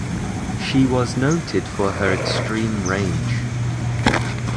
She was noted for her extreme range.